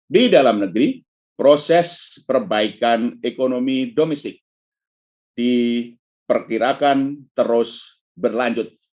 di dalam negeri proses perbaikan ekonomi domestik diperkirakan terus berlanjut